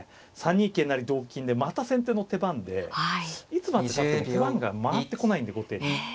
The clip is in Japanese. ３二桂成同金でまた先手の手番でいつまでたっても手番が回ってこないんで後手に。